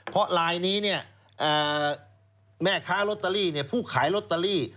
เพราะลายนี้แม่ค้าลอตเตอรี่ผู้ขายลอตเตอรี่